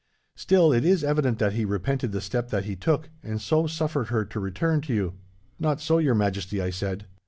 Still, it is evident that he repented the step that he took, and so suffered her to return to you.' "'Not so, Your Majesty,' I said.